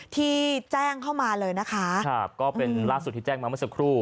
ที่แจ้งเข้ามาเลยนะคะครับก็เป็นล่าสุดที่แจ้งมาเมื่อสักครู่